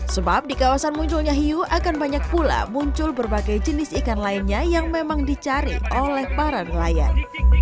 sebab di kawasan munculnya hiu akan banyak pula muncul berbagai jenis ikan lainnya yang memang dicari oleh para nelayan